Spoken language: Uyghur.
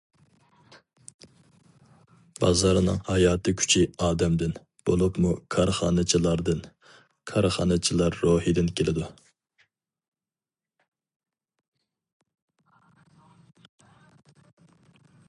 بازارنىڭ ھاياتىي كۈچى ئادەمدىن، بولۇپمۇ كارخانىچىلاردىن، كارخانىچىلار روھىدىن كېلىدۇ.